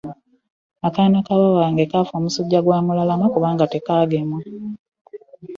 Akaana ka baaba wange kaafa omusujja gwa mulalama kubanga tekaagemwa.